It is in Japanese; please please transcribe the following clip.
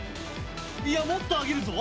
いや、もっと揚げるぞ！